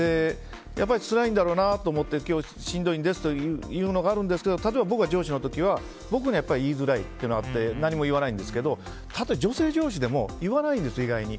辛いんだろうなと思って今日しんどいんですというのがあるんですが僕が上司の時は僕に言いづらいというのがあって何も言わないんですけどたとえ女性上司でも言わないんです、意外に。